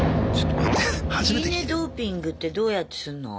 ドーピングってどうやってすんの？